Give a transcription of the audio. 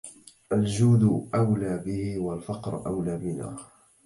الجود أولى به والفقر أولى بنا